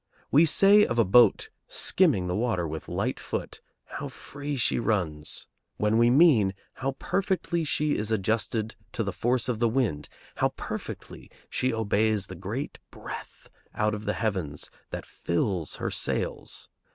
We say of a boat skimming the water with light foot, "How free she runs," when we mean, how perfectly she is adjusted to the force of the wind, how perfectly she obeys the great breath out of the heavens that fills her sails.